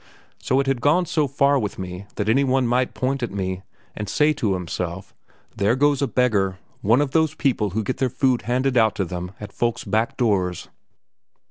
So it had gone so far with me that any one might point at me, and say to himself, "There goes a beggar one of those people who get their food handed out to them at folk's back doors!"